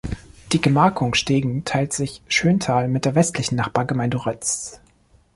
Die Gemarkung Steegen teilt sich Schönthal mit der westlichen Nachbargemeinde Rötz.